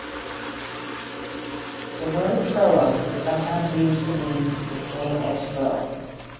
The word "trillo" is sometimes used to mean the same as trill.